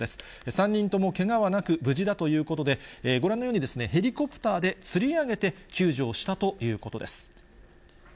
３人ともけがはなく、無事だということで、ご覧のように、ヘリコプターでつり上げて救助をしたということです。